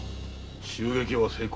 襲撃は成功。